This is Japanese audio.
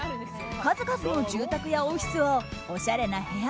数々の住宅やオフィスをおしゃれな部屋